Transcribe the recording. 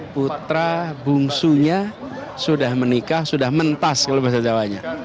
putra bungsunya sudah menikah sudah mentas kalau bahasa jawanya